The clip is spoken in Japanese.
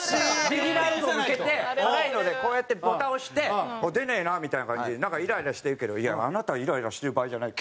ビギナーの人に向けてがないのでこうやってボタン押して出ねえなみたいな感じでなんかイライラしてるけどいやあなたイライラしてる場合じゃない。